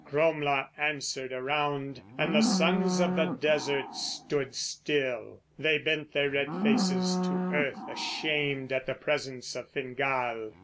Cromla answered around, and the sons of the desert stood still. They bent their red faces to earth, ashamed at the presence of Fingal.